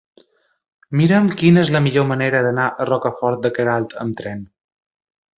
Mira'm quina és la millor manera d'anar a Rocafort de Queralt amb tren.